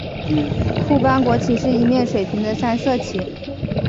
库班国旗是一面水平的三色旗。